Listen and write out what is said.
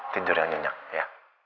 tidur yang nyenyak ya